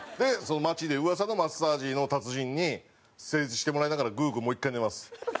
街で噂のマッサージの達人に施術してもらいながらグーグーもう１回寝ます。